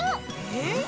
えっ？